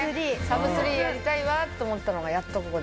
サブスリーやりたいわと思ったのがやっとここで。